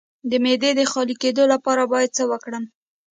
د معدې د خالي کیدو لپاره باید څه وکړم؟